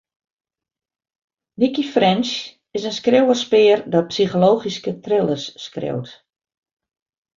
Nicci French is in skriuwerspear dat psychologyske thrillers skriuwt.